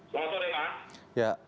selamat sore pak